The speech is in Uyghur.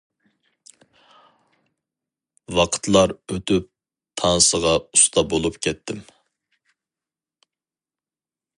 ۋاقىتلار ئۆتۈپ تانسىغا ئۇستا بولۇپ كەتتىم.